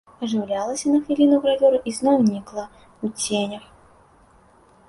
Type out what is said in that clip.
Ажыўлялася на хвіліну гравюра і зноў нікла ў ценях.